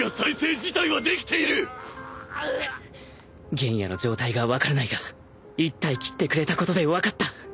玄弥の状態が分からないが１体斬ってくれたことで分かった